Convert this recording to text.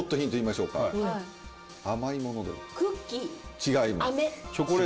違います。